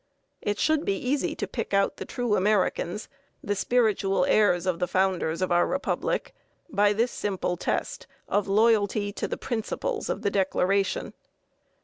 It should be easy to pick out the true Americans the spiritual heirs of the founders of our Republic by this simple test of loyalty to the principles of the Declaration.